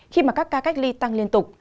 khi mà các ca cách ly tăng liên tục